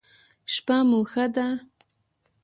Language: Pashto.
شپه مو ښه ده